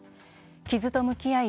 傷と向き合い